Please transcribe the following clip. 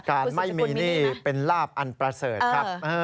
การไม่มีหนี้เป็นลาบอันประเสริฐครับ